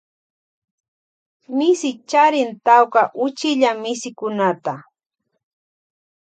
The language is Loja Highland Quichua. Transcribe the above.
Misi charin tawka uchilla misikunata.